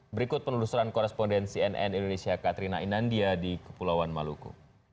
berikut penelusuran korespondensi nn indonesia katrina inandia di kepulauan maluku